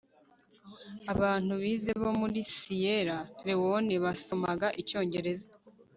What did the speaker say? abantu bize bo muri siyera lewone basomaga icyongereza